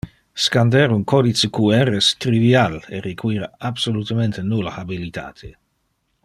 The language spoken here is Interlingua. Scander un codice qr es trivial e require absolutemente nulle habilitate